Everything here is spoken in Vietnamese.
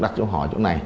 đặt cho họ chỗ này